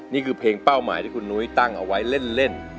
นี่คือเพลงเป้าหมายที่คุณนุ้ยตั้งเอาไว้เล่น